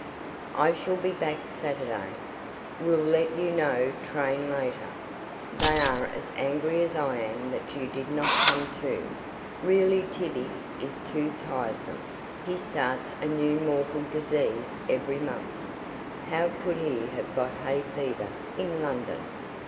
I shall be back Saturday; will let you know train later. They are as angry as I am that you did not come too; really Tibby is too tiresome, he starts a new mortal disease every month. How could he have got hay fever in London?